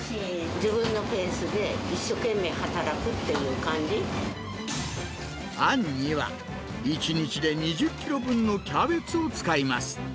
自分のペースで、あんには、１日で２０キロ分のキャベツを使います。